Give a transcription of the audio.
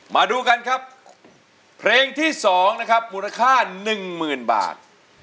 มาดูกันครับเพลงที่สองนะครับมูลค่าหนึ่งหมื่นบาท